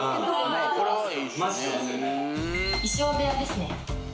衣装部屋ですね。